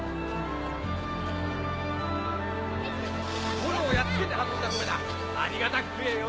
モロをやっつけて運んだ米だありがたく食えよ。